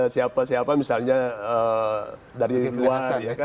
siapa siapa misalnya dari luar